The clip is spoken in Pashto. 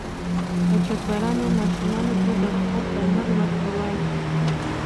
قاچاقبرانو ماشومانو ته د خوب درمل ورکول.